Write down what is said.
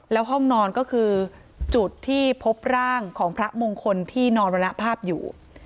แล้วห้องนอนก็คือจุดที่พบร่างของพระมงคลที่นอนวรรณภาพอยู่